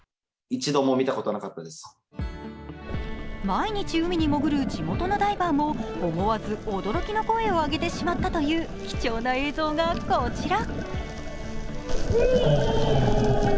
毎日、海に潜る地元のダイバーも思わず驚きの声を上げてしまったという貴重な映像がこちら。